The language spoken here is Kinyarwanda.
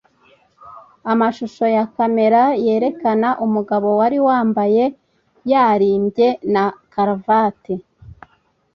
Amashusho ya kamera yerekana umugabo wari wambaye yarimbye na karavate